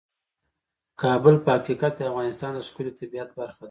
کابل په حقیقت کې د افغانستان د ښکلي طبیعت برخه ده.